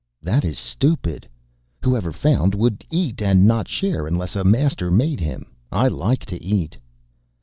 "That is stupid. Whoever found would eat and not share unless a master made him. I like to eat."